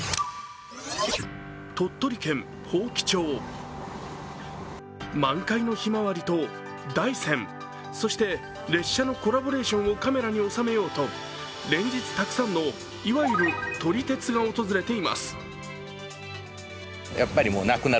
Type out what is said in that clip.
鳥取県伯耆町、満開のひまわりと大山、そして列車のコラボレーションをカメラに収めようと、連日たくさんの、いわゆる撮り鉄が訪れています。